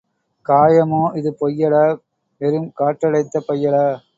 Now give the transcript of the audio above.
காயமே இது பொய்யடா வெறும் காற்றடைத்த பையடா.